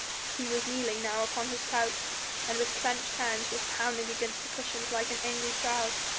He was kneeling now upon his couch, and with clenched hands was pounding against the cushions like an angry child.